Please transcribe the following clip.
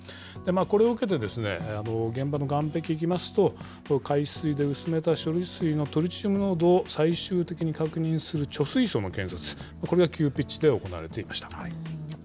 これを受けて、現場の岸壁行きますと、海水で薄めた処理水のトリチウム濃度を最終的に確認する貯水槽の建設、これが急ピッチで行われていました。